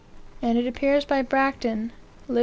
And it appears by Bracton, (lib.